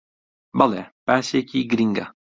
بەڵێ، باسێکی گرینگە